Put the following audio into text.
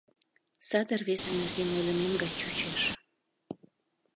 Саде рвезе нерген ойлымем гай чучеш.